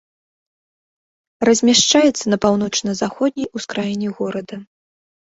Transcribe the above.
Размяшчаецца на паўночна-заходняй ускраіне горада.